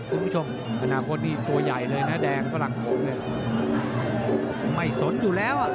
คุณผู้ชมอนาคตนี่ตัวใหญ่เลยนะแดงฝรั่งคมเนี่ยไม่สนอยู่แล้วอ่ะ